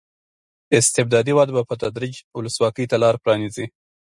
استبدادي وده به په تدریج ولسواکۍ ته لار پرانېزي.